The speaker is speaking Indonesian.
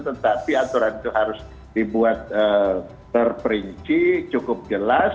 tetapi aturan itu harus dibuat terperinci cukup jelas